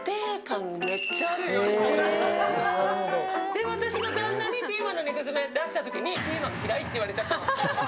で、私の旦那にピーマンの肉詰め出した時にピーマン嫌いって言われちゃったの。